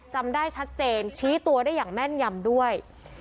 จำได้ชัดเจนชี้ตัวได้อย่างแม่นยำด้วย